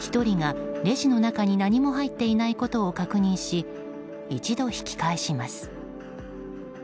１人がレジの中に何も入っていないことを確認し一度引き返します。